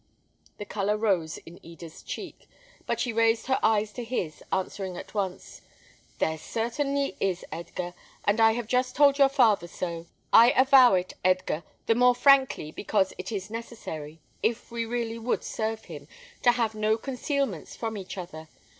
The colour rose in Eda's cheek, but she raised her eyes to his, answering at once, "There certainly is, Edgar, and I have just told your father so. I avow it, Edgar, the more frankly, because it is necessary, if we really would serve him, to have no concealments from each other.